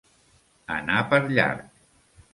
Anar per llarg.